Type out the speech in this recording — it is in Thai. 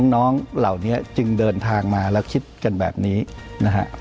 น้องเหล่านี้จึงเดินทางมาแล้วคิดกันแบบนี้นะฮะ